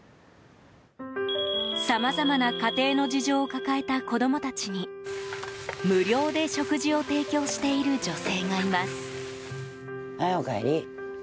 さまざまな家庭の事情を抱えた子供たちに無料で食事を提供している女性がいます。